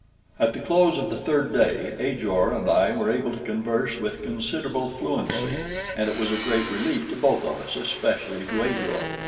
At the close of the third day Ajor and I were able to converse with considerable fluency, and it was a great relief to both of us, especially to Ajor.